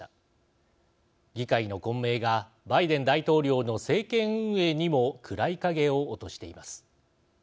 議会の混迷がバイデン大統領の政権運営にも暗い影を落としています。